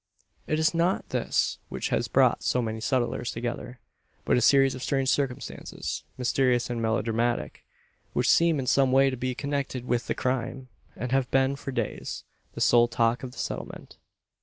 It is not this which has brought so many settlers together; but a series of strange circumstances, mysterious and melodramatic; which seem in some way to be connected with the crime, and have been for days the sole talk of the Settlement.